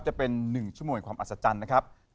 จะเป็น๑ชั่วโมงความอัศจรรย์นะครับ